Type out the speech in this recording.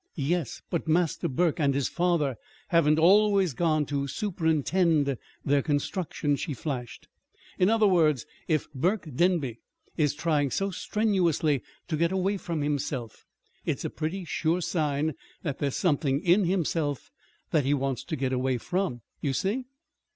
"Yes, but Master Burke and his father haven't always gone to superintend their construction," she flashed. "In other words, if Burke Denby is trying so strenuously to get away from himself, it's a pretty sure sign that there's something in himself that he wants to get away from! You see?"